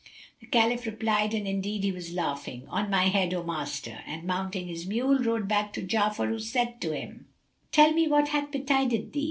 The Caliph replied (and indeed he was laughing), "On my head, O master!" and, mounting his mule, rode back to Ja'afar, who said to him, "Tell me what hath betided thee."